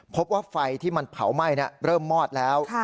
พบว่าไฟที่มันเผาไหม้เริ่มมอดแล้ว